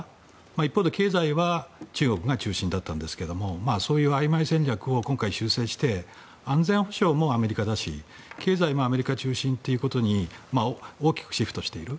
一方で経済は中国が中心だったんですがそういうあいまい戦略を今回、修正して安全保障もアメリカだし経済もアメリカ中心ということに大きくシフトしている。